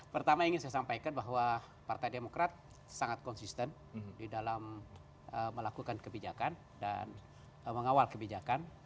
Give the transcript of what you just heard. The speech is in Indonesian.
pertama ingin saya sampaikan bahwa partai demokrat sangat konsisten di dalam melakukan kebijakan dan mengawal kebijakan